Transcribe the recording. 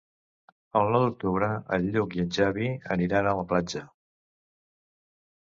El nou d'octubre en Lluc i en Xavi aniran a la platja.